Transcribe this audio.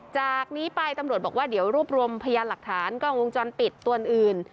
จากนี้ไปตำรวจบอกว่าเดี๋ยวรวบรวมพยานหลักฐานกล้องวงจรปิดตัวอื่น